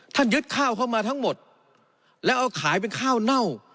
ยึดข้าวเข้ามาทั้งหมดแล้วเอาขายเป็นข้าวเน่า